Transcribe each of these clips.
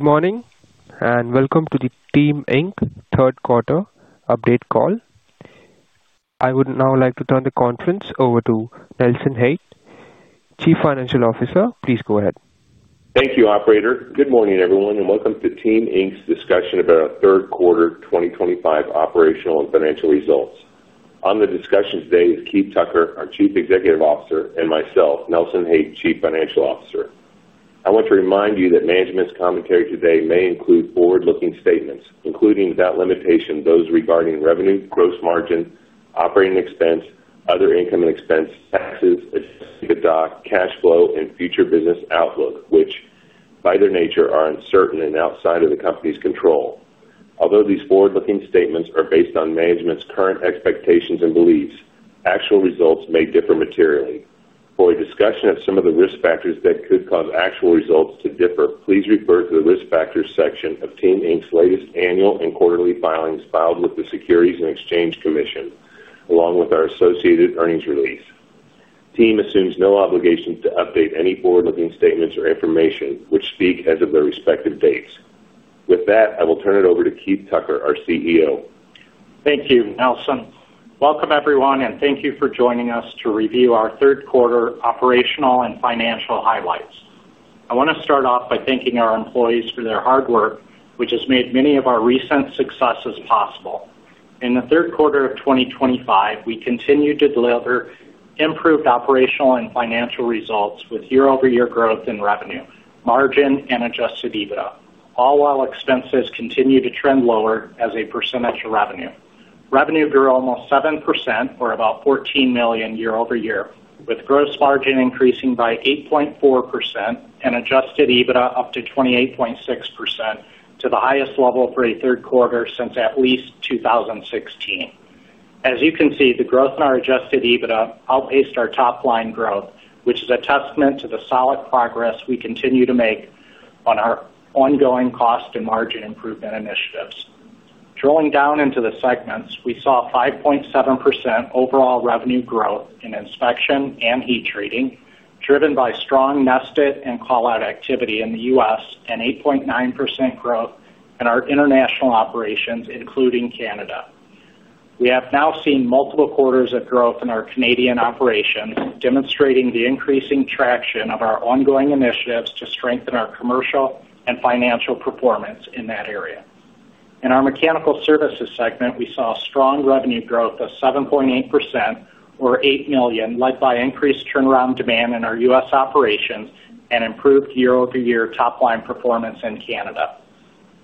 Good morning and welcome to the Team, Inc third quarter update call. I would now like to turn the conference over to Nelson Haight, Chief Financial Officer. Please go ahead. Thank you, Operator. Good morning, everyone, and welcome to Team's discussion about our third quarter 2025 operational and financial results. On the discussion today is Keith Tucker, our Chief Executive Officer, and myself, Nelson Haight, Chief Financial Officer. I want to remind you that management's commentary today may include forward-looking statements, including, without limitation, those regarding revenue, gross margin, operating expense, other income and expense, taxes, agenda dock, cash flow, and future business outlook, which, by their nature, are uncertain and outside of the company's control. Although these forward-looking statements are based on management's current expectations and beliefs, actual results may differ materially. For a discussion of some of the risk factors that could cause actual results to differ, please refer to the risk factors section of Team's latest annual and quarterly filings filed with the Securities and Exchange Commission, along with our associated earnings release. Team assumes no obligations to update any forward-looking statements or information which speak as of their respective dates. With that, I will turn it over to Keith Tucker, our CEO. Thank you, Nelson. Welcome, everyone, and thank you for joining us to review our third quarter operational and financial highlights. I want to start off by thanking our employees for their hard work, which has made many of our recent successes possible. In the third quarter of 2025, we continue to deliver improved operational and financial results with year-over-year growth in revenue, margin, and Adjusted EBITDA, all while expenses continue to trend lower as a percentage of revenue. Revenue grew almost 7%, or about $14 million, year-over-year, with gross margin increasing by 8.4% and Adjusted EBITDA up to 28.6%, to the highest level for a third quarter since at least 2016. As you can see, the growth in our Adjusted EBITDA outpaced our top-line growth, which is a testament to the solid progress we continue to make on our ongoing cost and margin improvement initiatives. Drilling down into the segments, we saw 5.7% overall revenue growth in inspection and heat treating, driven by strong nested and call-out activity in the U.S., and 8.9% growth in our international operations, including Canada. We have now seen multiple quarters of growth in our Canadian operations, demonstrating the increasing traction of our ongoing initiatives to strengthen our commercial and financial performance in that area. In our mechanical services segment, we saw strong revenue growth of 7.8%, or $8 million, led by increased turnaround demand in our U.S. operations and improved year-over-year top-line performance in Canada.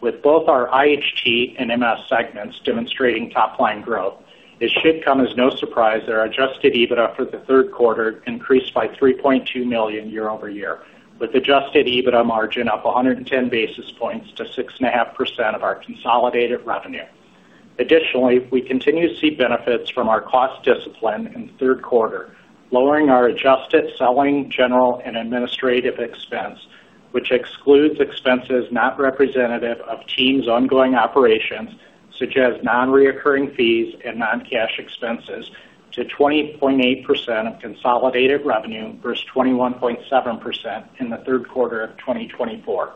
With both our IHT and MS segments demonstrating top-line growth, it should come as no surprise that our Adjusted EBITDA for the third quarter increased by $3.2 million year-over-year, with Adjusted EBITDA margin up 110 basis points to 6.5% of our consolidated revenue. Additionally, we continue to see benefits from our cost discipline in the third quarter, lowering our adjusted selling, general, and administrative expense, which excludes expenses not representative of Team's ongoing operations, such as non-recurring fees and non-cash expenses, to 20.8% of consolidated revenue versus 21.7% in the third quarter of 2024.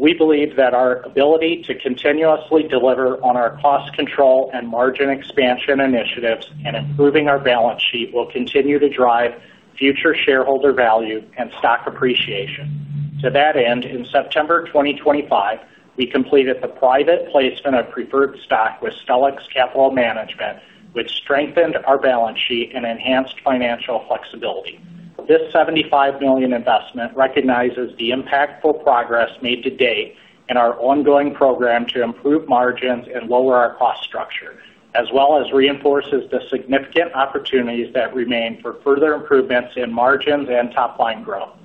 We believe that our ability to continuously deliver on our cost control and margin expansion initiatives and improving our balance sheet will continue to drive future shareholder value and stock appreciation. To that end, in September 2025, we completed the private placement of preferred stock with Stellux Capital Management, which strengthened our balance sheet and enhanced financial flexibility. This $75 million investment recognizes the impactful progress made to date in our ongoing program to improve margins and lower our cost structure, as well as reinforces the significant opportunities that remain for further improvements in margins and top-line growth.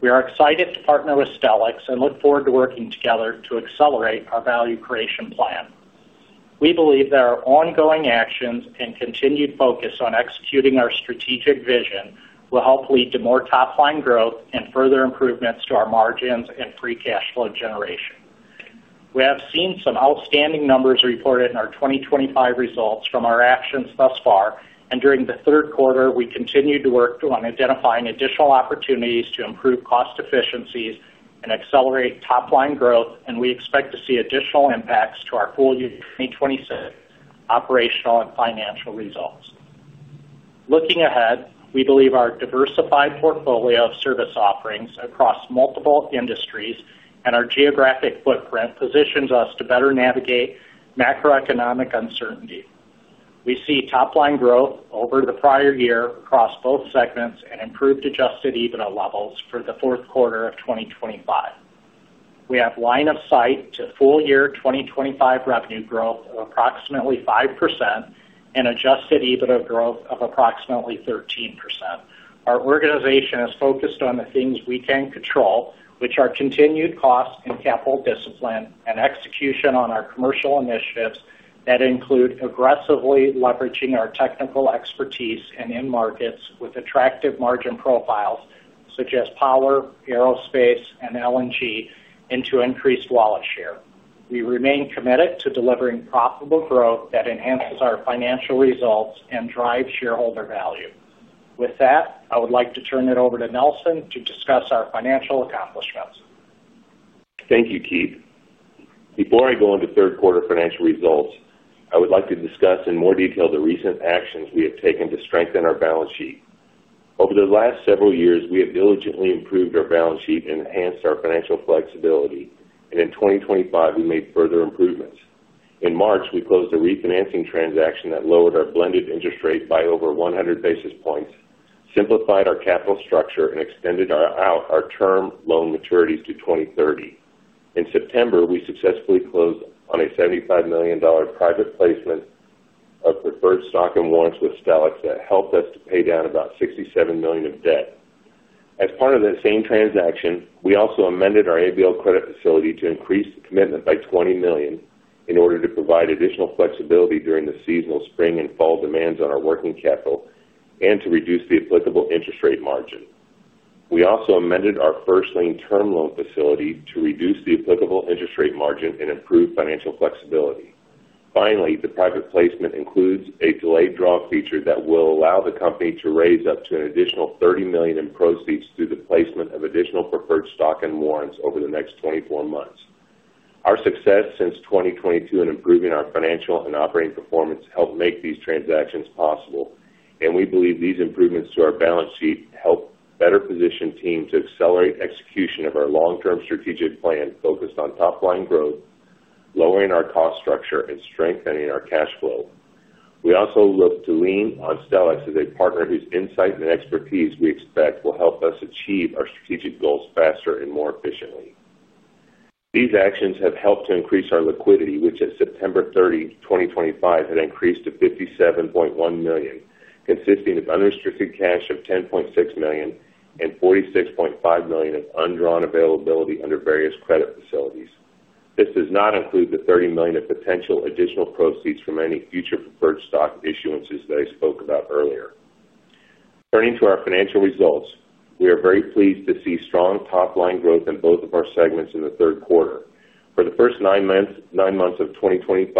We are excited to partner with Stellux and look forward to working together to accelerate our value creation plan. We believe that our ongoing actions and continued focus on executing our strategic vision will help lead to more top-line growth and further improvements to our margins and free cash flow generation. We have seen some outstanding numbers reported in our 2025 results from our actions thus far, and during the third quarter, we continued to work on identifying additional opportunities to improve cost efficiencies and accelerate top-line growth, and we expect to see additional impacts to our full 2026 operational and financial results. Looking ahead, we believe our diversified portfolio of service offerings across multiple industries and our geographic footprint positions us to better navigate macroeconomic uncertainty. We see top-line growth over the prior year across both segments and improved Adjusted EBITDA levels for the fourth quarter of 2025. We have line of sight to full year 2025 revenue growth of approximately 5% and Adjusted EBITDA growth of approximately 13%. Our organization is focused on the things we can control, which are continued cost and capital discipline and execution on our commercial initiatives that include aggressively leveraging our technical expertise and in-markets with attractive margin profiles, such as power, aerospace, and LNG, into increased wallet share. We remain committed to delivering profitable growth that enhances our financial results and drives shareholder value. With that, I would like to turn it over to Nelson to discuss our financial accomplishments. Thank you, Keith. Before I go into third quarter financial results, I would like to discuss in more detail the recent actions we have taken to strengthen our balance sheet. Over the last several years, we have diligently improved our balance sheet and enhanced our financial flexibility, and in 2025, we made further improvements. In March, we closed a refinancing transaction that lowered our blended interest rate by over 100 basis points, simplified our capital structure, and extended our term loan maturities to 2030. In September, we successfully closed on a $75 million private placement of preferred stock and warrants with Stellux that helped us to pay down about $67 million of debt. As part of that same transaction, we also amended our ABL credit facility to increase the commitment by $20 million in order to provide additional flexibility during the seasonal spring and fall demands on our working capital and to reduce the applicable interest rate margin. We also amended our first-lien term loan facility to reduce the applicable interest rate margin and improve financial flexibility. Finally, the private placement includes a delayed draw feature that will allow the company to raise up to an additional $30 million in proceeds through the placement of additional preferred stock and warrants over the next 24 months. Our success since 2022 in improving our financial and operating performance helped make these transactions possible, and we believe these improvements to our balance sheet help better position Team to accelerate execution of our long-term strategic plan focused on top-line growth, lowering our cost structure, and strengthening our cash flow. We also look to lean on Stellux as a partner whose insight and expertise we expect will help us achieve our strategic goals faster and more efficiently. These actions have helped to increase our liquidity, which at September 30, 2025, had increased to $57.1 million, consisting of unrestricted cash of $10.6 million and $46.5 million of undrawn availability under various credit facilities. This does not include the $30 million of potential additional proceeds from any future preferred stock issuances that I spoke about earlier. Turning to our financial results, we are very pleased to see strong top-line growth in both of our segments in the third quarter. For the first nine months of 2025,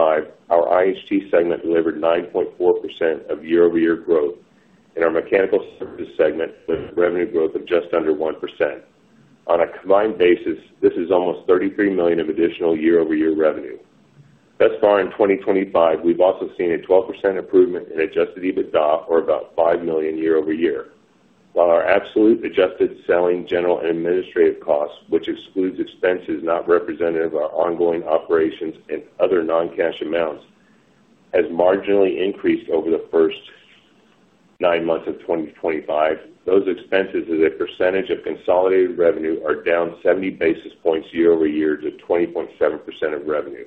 our IHT segment delivered 9.4% year-over-year growth, and our mechanical services segment delivered revenue growth of just under 1%. On a combined basis, this is almost $33 million of additional year-over-year revenue. Thus far in 2025, we've also seen a 12% improvement in Adjusted EBITDA, or about $5 million year-over-year, while our absolute adjusted selling, general, and administrative costs, which excludes expenses not representative of our ongoing operations and other non-cash amounts, have marginally increased over the first nine months of 2025. Those expenses, as a percentage of consolidated revenue, are down 70 basis points year-over-year to 20.7% of revenue.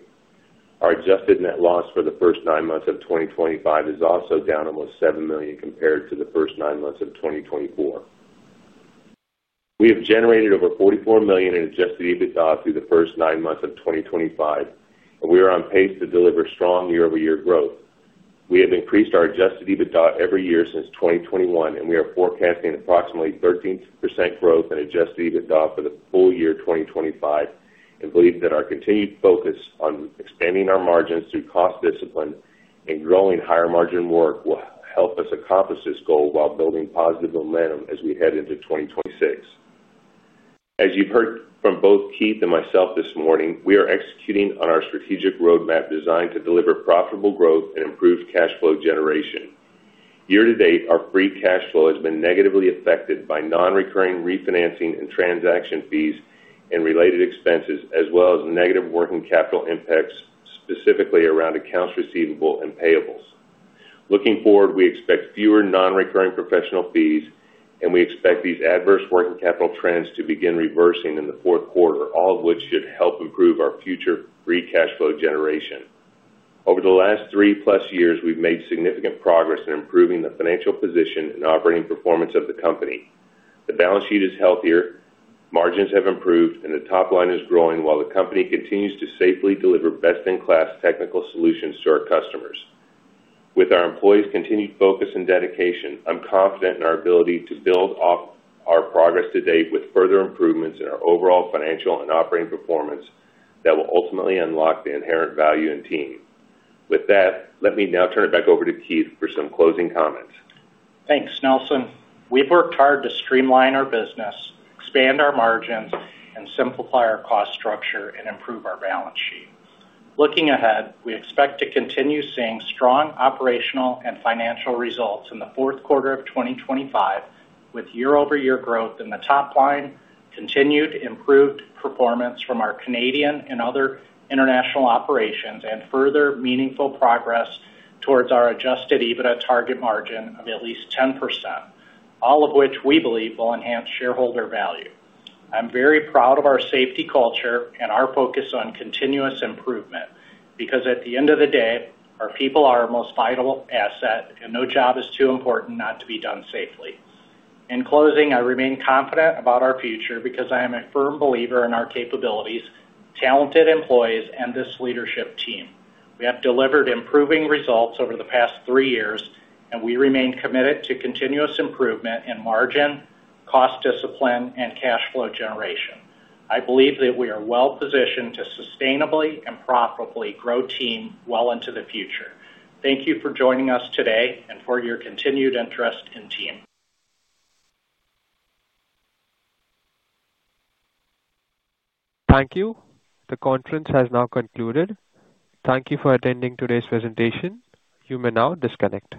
Our adjusted net loss for the first nine months of 2025 is also down almost $7 million compared to the first nine months of 2024. We have generated over $44 million in Adjusted EBITDA through the first nine months of 2025, and we are on pace to deliver strong year-over-year growth. We have increased our Adjusted EBITDA every year since 2021, and we are forecasting approximately 13% growth in Adjusted EBITDA for the full year 2025 and believe that our continued focus on expanding our margins through cost discipline and growing higher margin work will help us accomplish this goal while building positive momentum as we head into 2026. As you have heard from both Keith and myself this morning, we are executing on our strategic roadmap designed to deliver profitable growth and improved cash flow generation. Year to date, our free cash flow has been negatively affected by non-recurring refinancing and transaction fees and related expenses, as well as negative working capital impacts specifically around accounts receivable and payables. Looking forward, we expect fewer non-recurring professional fees, and we expect these adverse working capital trends to begin reversing in the fourth quarter, all of which should help improve our future free cash flow generation. Over the last three-plus years, we've made significant progress in improving the financial position and operating performance of the company. The balance sheet is healthier, margins have improved, and the top line is growing, while the company continues to safely deliver best-in-class technical solutions to our customers. With our employees' continued focus and dedication, I'm confident in our ability to build off our progress to date with further improvements in our overall financial and operating performance that will ultimately unlock the inherent value in Team. With that, let me now turn it back over to Keith for some closing comments. Thanks, Nelson. We've worked hard to streamline our business, expand our margins, and simplify our cost structure and improve our balance sheet. Looking ahead, we expect to continue seeing strong operational and financial results in the fourth quarter of 2025, with year-over-year growth in the top line, continued improved performance from our Canadian and other international operations, and further meaningful progress towards our Adjusted EBITDA target margin of at least 10%, all of which we believe will enhance shareholder value. I'm very proud of our safety culture and our focus on continuous improvement because, at the end of the day, our people are our most vital asset, and no job is too important not to be done safely. In closing, I remain confident about our future because I am a firm believer in our capabilities, talented employees, and this leadership team. We have delivered improving results over the past three years, and we remain committed to continuous improvement in margin, cost discipline, and cash flow generation. I believe that we are well-positioned to sustainably and profitably grow Team well into the future. Thank you for joining us today and for your continued interest in Team. Thank you. The conference has now concluded. Thank you for attending today's presentation. You may now disconnect.